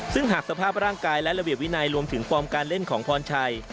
ซึ่งหากสภาพร่างกายและระเบียบวินัยรวมถึงฟอร์มการเล่นของพรชัย